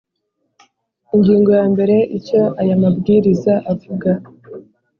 Ingingo ya mbere Icyo aya Mabwiriza avuga